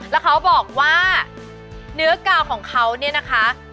แล้วเขาบอกว่าเนื้อกาวของเขาเนี่ยนะคะ